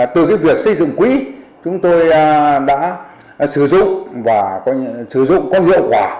từ việc xây dựng quỹ chúng tôi đã sử dụng và sử dụng có hiệu quả